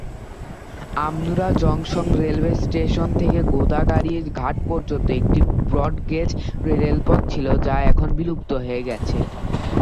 Amnura junction railway station থেকে গোদাগাড়ী ঘাট পর্যন্ত একটি ব্রডগেজ রেলপথ ছিলো যা এখন বিলুপ্ত হয়ে গেছে।